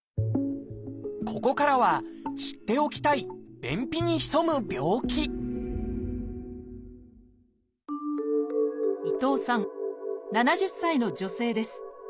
ここからは知っておきたい伊藤さん７０歳の女性です。